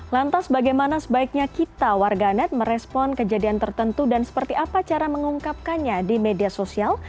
lantas bagaimana sebaiknya kita warganet merespon kejadian tertentu dan seperti apa cara mengungkapkannya di media sosial